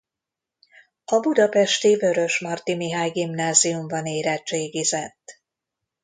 A budapesti Vörösmarty Mihály Gimnáziumban érettségizett.